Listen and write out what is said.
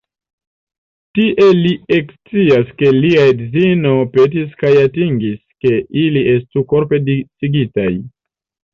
Tie li ekscias ke lia edzino petis kaj atingis ke ili estu "korpe disigitaj".